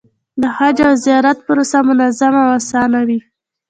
د حج او زیارت پروسه منظمه او اسانه وي.